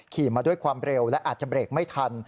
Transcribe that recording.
ขี่มาด้วยความเร็วและอาจจะเบรกไม่ทัน